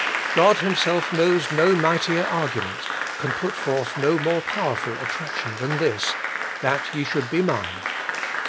God Himself knows no mightier argument, can put forth no more powerful attraction than this, ' that ye should be Mine.'